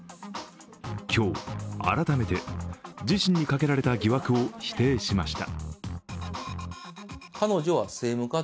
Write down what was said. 今日、改めて自身にかけられた疑惑を否定しました。